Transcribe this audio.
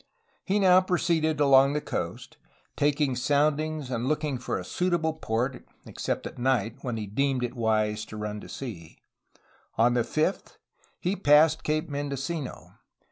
He now proceeded along the coast, taking soundings and looking for a suitable port, except at night, when he deemed it wise to run to sea. On the 5th he passed Cape Mendocino.